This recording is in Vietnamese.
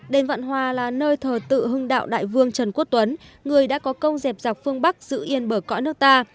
đền vạn hòa là nơi thờ tự hưng đạo đại vương trần quốc tuấn người đã có công dẹp dọc phương bắc giữ yên bờ cõi nước ta